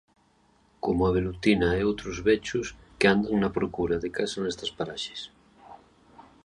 Como a velutina e outros bechos que andan na procura de casa nestas paraxes.